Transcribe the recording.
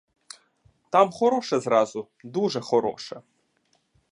Там хороше зразу, дуже хороше!